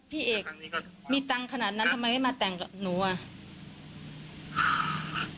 พี่เอกมีตังค์ขนาดนั้นทำไมไม่มาแต่งกับหนูอ่ะค่ะ